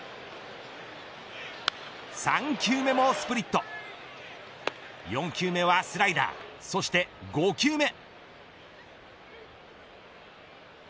３球目もスプリット４球目はスライダーそして５球目。